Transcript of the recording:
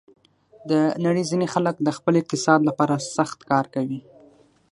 د نړۍ ځینې خلک د خپل اقتصاد لپاره سخت کار کوي.